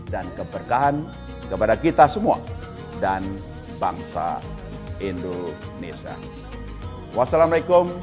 dan kembali membangkitkan gairah ekonomi